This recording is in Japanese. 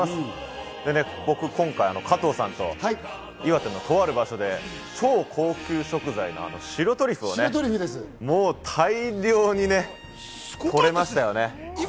僕、今回、加藤さんと岩手のとある場所で超高級食材の白トリュフをもう大量にね、取れましたね。